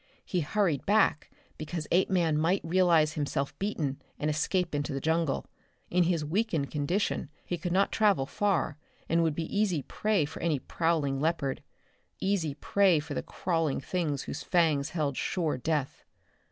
He hurried back because Apeman might realize himself beaten and escape into the jungle. In his weakened condition he could not travel far and would be easy prey for any prowling leopard, easy prey for the crawling things whose fangs held sure death.